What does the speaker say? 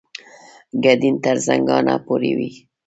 ګډین تر زنګانه پورې وي.